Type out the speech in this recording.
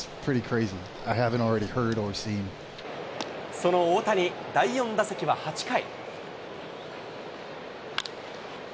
その大谷、第４打席は８回。